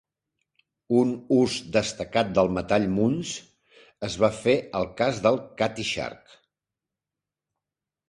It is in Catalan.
Un ús destacat del metall Muntz es va fer al casc del Cutty Sark.